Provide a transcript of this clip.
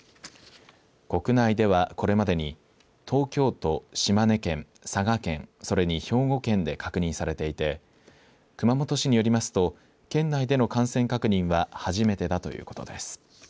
国内では、これまでに東京都、島根県、佐賀県それに兵庫県で確認されていて熊本市によりますと県内での感染確認は初めてだということです。